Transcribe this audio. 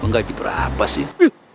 enggak diberapa sih